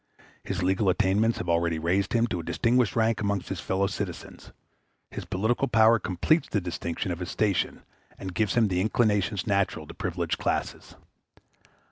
His legal attainments have already raised him to a distinguished rank amongst his fellow citizens; his political power completes the distinction of his station, and gives him the inclinations natural to privileged classes.